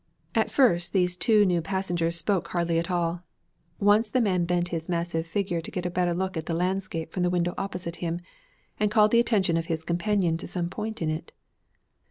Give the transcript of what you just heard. At first these two new passengers spoke hardly at all. Once the man bent his massive figure to get a better look at the landscape from the window opposite him, and called the attention of his companion to some point in it.